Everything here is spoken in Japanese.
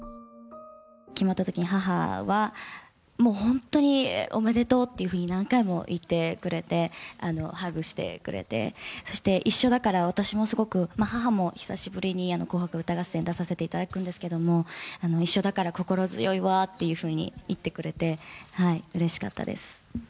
決まったときに母は、もう本当におめでとうっていうふうに何回も言ってくれて、ハグしてくれて、そして、一緒だから私もすごく、母も久しぶりに紅白歌合戦に出させていただくんですけど、一緒だから心強いわというふうに言ってくれて、うれしかったです。